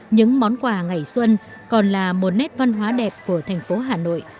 những món quà ngày xuân còn là một nét văn hóa đẹp của thành phố hà nội